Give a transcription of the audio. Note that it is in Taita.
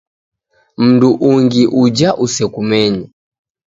M'ndu ungi uja usekumenye.